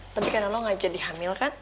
tapi karena lo ngajar dihamil kan